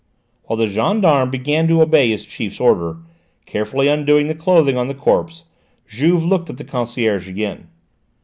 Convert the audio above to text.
While the gendarme began to obey his chief's order, carefully undoing the clothing on the corpse, Juve looked at the concierge again.